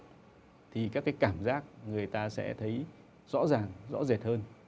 thứ hai thì các cái cảm giác người ta sẽ thấy rõ ràng rõ rệt hơn